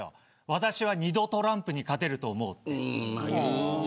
私は２度トランプに勝てると思うと。